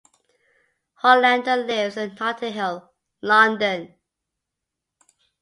Hollander lives in Notting Hill, London.